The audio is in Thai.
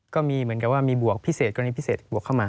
ก็มีเหมือนกับว่ามีบวกพิเศษกรณีพิเศษบวกเข้ามา